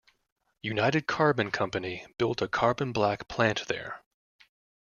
United Carbon Company built a carbon black plant there.